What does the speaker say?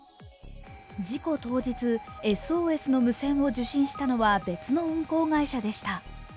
事故当日ＳＯＳの無線を受信したのは別の運航会社でした。